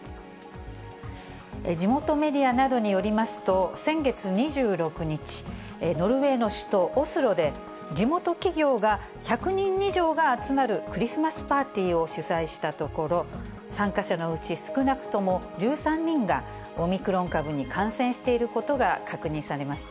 地元メディアなどによりますと、先月２６日、ノルウェーの首都オスロで、地元企業が１００人以上が集まるクリスマスパーティーを主催したところ、参加者のうち少なくとも１３人が、オミクロン株に感染していることが確認されました。